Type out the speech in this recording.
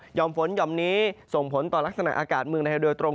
่อมฝนหย่อมนี้ส่งผลต่อลักษณะอากาศเมืองไทยโดยตรง